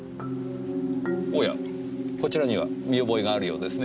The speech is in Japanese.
おやこちらには見覚えがあるようですね。